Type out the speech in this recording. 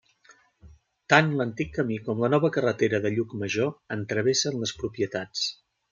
Tant l’antic camí com la nova carretera de Llucmajor en travessen les propietats.